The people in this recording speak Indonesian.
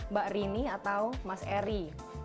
mbak rini atau mas eri